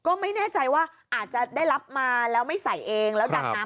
ก็ไม่แน่ใจว่าอาจจะได้รับมาแล้วไม่ใส่เองแล้วดำน้ำ